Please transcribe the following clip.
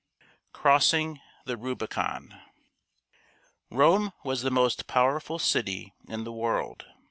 CROSSING THE RUBICON Rome was the most powerful city in the world.